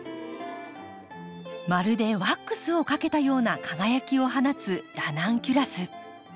まるでワックスをかけたような輝きを放つラナンキュラス。